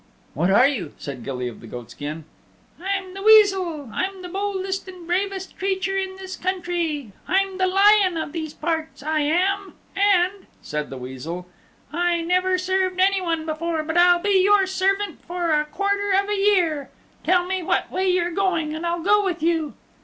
"What are you?" said Gilly of the Goat skin. "I'm the Weasel. I'm the boldest and bravest creature in this country. I'm the lion of these parts, I am. And," said the Weasel, "I never served anyone before, but I'll be your servant for a quarter of a year. Tell me what way you're going and I'll go with you."